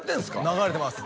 流れてます